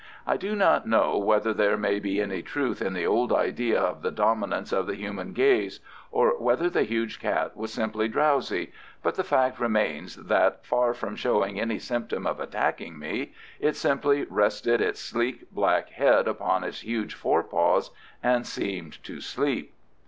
I do not know whether there may be any truth in the old idea of the dominance of the human gaze, or whether the huge cat was simply drowsy, but the fact remains that, far from showing any symptom of attacking me, it simply rested its sleek, black head upon its huge forepaws and seemed to sleep.